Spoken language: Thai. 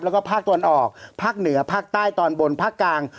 แล้วก็ภาคตะวันออกภาคเหนือภาคใต้ตอนบนภาคกลาง